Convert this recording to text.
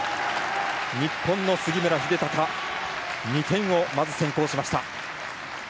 日本の杉村英孝２点をまず先行しました。